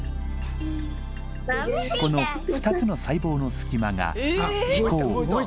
この２つの細胞のすき間が気孔。